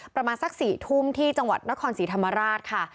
ประมาณสัก๔ทุ่มที่จังหวัดนครศรีธรรมราชค่ะ